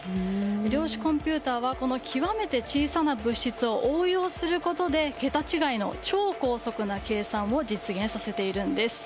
量子コンピューターはこの極めて小さな物質を応用することで桁違いの超高速の計算を実現させているんです。